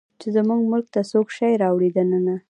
چې زموږ ملک ته څوک شی راوړي دننه